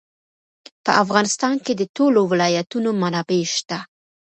په افغانستان کې د ټولو ولایتونو منابع شته.